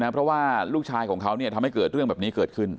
เพราะว่าลูกชายของเขาทำให้เกิดเรื่องแบบนี้เกิดขึ้น